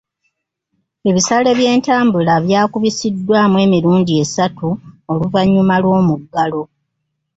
Ebisale by'entambula byakubisiddwamu emirundi esatu oluvannyuma lw'omuggalo.